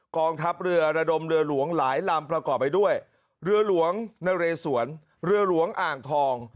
กองทัพเรือระดมเรือหลวงหลายลำประกอบไปด้วยเรือหลวงนเรสวนเรือหลวงอ่างทอง